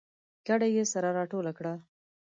کډه یې سره راټوله کړه